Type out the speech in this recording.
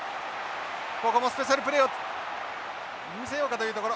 ここもスペシャルプレーを見せようかというところ。